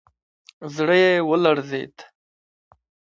زړه يې ولړزېد.